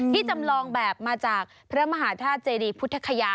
จำลองแบบมาจากพระมหาธาตุเจดีพุทธคยา